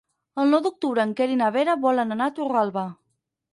El nou d'octubre en Quer i na Vera volen anar a Torralba.